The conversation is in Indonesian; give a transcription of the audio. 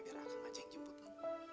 biar langsung aja yang jemputmu